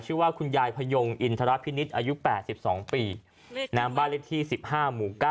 ชื่อว่าคุณยายพยงอินทรพินิษฐ์อายุ๘๒ปีน้ำบ้านเล็กที่๑๕หมู่๙